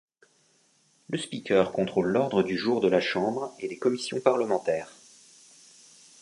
Le Speaker contrôle l'ordre du jour de la chambre et des commissions parlementaires.